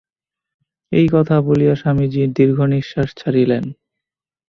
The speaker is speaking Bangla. এই কথা বলিয়া স্বামীজী দীর্ঘনিঃশ্বাস ছাড়িলেন।